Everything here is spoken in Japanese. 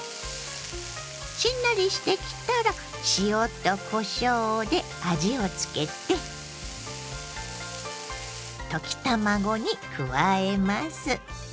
しんなりしてきたら塩とこしょうで味をつけて溶き卵に加えます。